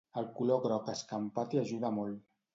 El color groc escampat hi ajuda molt.